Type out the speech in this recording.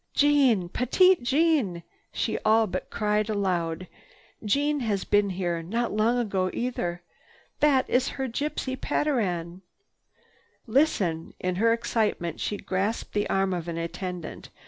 "Jeanne! Petite Jeanne!" she all but cried aloud. "Jeanne has been here, not long ago either. That is her gypsy patteran!" "Listen!" In her excitement she grasped the arm of an attendant.